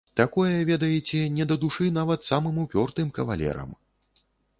Такое, ведаеце, не да душы нават самым упёртым кавалерам.